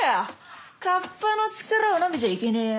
河童の力をなめちゃいけねえよ。